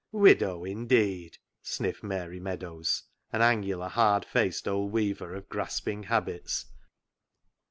" Widow, indeed," sniffed Mary Meadows, an angular, hard faced old weaver of grasping habits.